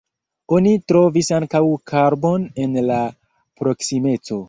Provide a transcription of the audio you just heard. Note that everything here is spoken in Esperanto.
Oni trovis ankaŭ karbon en la proksimeco.